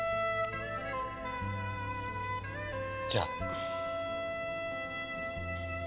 じゃあ。